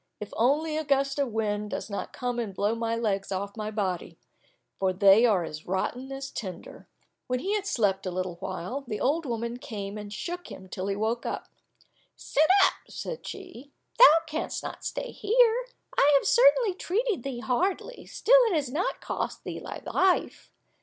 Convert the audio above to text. If only a gust of wind does not come and blow my legs off my body, for they are as rotten as tinder." When he had slept a little while, the old woman came and shook him till he awoke. "Sit up," said she, "thou canst not stay here; I have certainly treated thee hardly, still it has not cost thee thy life.